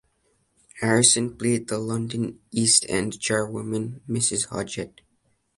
Harrison played the London East End charwoman Mrs Huggett.